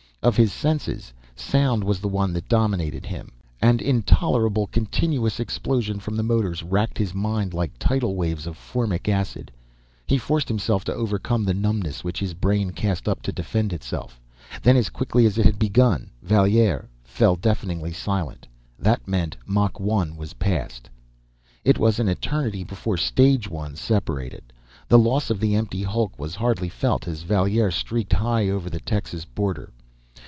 Of his senses, sound was the one that dominated him; an intolerable, continuous explosion from the motors racked his mind like tidal waves of formic acid. He forced himself to overcome the numbness which his brain cast up to defend itself. Then, as quickly as it had begun, Valier fell deafeningly silent; that meant Mach 1 was passed. It was an eternity before stage one separated. The loss of the empty hulk was hardly felt as Valier streaked high over the Texas border.